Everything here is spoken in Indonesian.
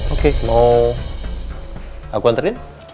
oke mau aku anterin